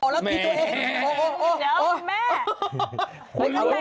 เดี๋ยวคุณแม่